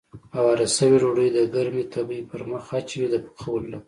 اواره شوې ډوډۍ د ګرمې تبۍ پر مخ اچوي د پخولو لپاره.